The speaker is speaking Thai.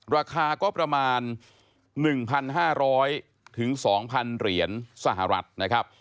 ราคาก็ประมาณ๑๕๐๐๒๐๐เหรียญสหรัฐนะครับ